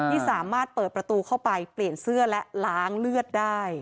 ที่สามารถเปิดประตูเข้าไปเปลี่ยนเสื้อและล้างเลือดได้